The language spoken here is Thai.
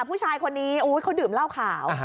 ผู้ชายคนนี้เขาดื่มเหล้าขาว